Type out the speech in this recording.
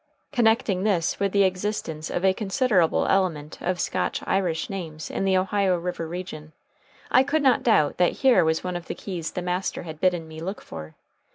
Connecting this with the existence of a considerable element of Scotch Irish names in the Ohio River region, I could not doubt that here was one of the keys the master had bidden me look for.